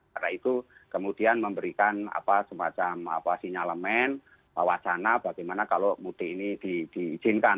karena itu kemudian memberikan semacam sinyalemen wawasana bagaimana kalau mudik ini diizinkan